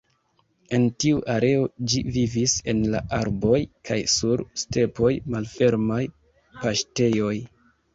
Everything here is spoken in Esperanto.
En tiu areo, ĝi vivis en la arboj kaj sur stepoj, malfermaj paŝtejoj.